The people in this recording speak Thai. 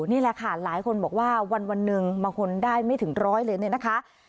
นี่แหละค่ะหลายคนบอกว่าวันหนึ่งบางคนได้ไม่ถึงร้อยเลยเนี่ยนะคะ